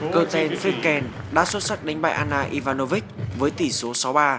cơ tên fiken đã xuất sắc đánh bại anna ivanovic với tỷ số sáu ba